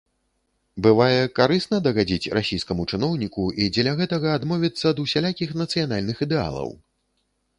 Бывае карысна дагадзіць расійскаму чыноўніку, і дзеля гэтага адмовіцца ад усялякіх нацыянальных ідэалаў?